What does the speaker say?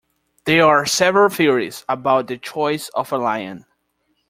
There are several theories about the choice of a lion.